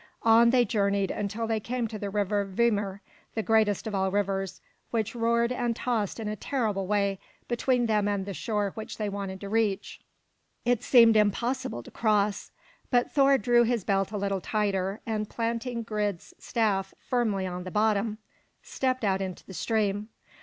On they journeyed until they came to the river Vimer, the greatest of all rivers, which roared and tossed in a terrible way between them and the shore which they wanted to reach. It seemed impossible to cross. But Thor drew his belt a little tighter, and planting Grid's staff firmly on the bottom, stepped out into the stream.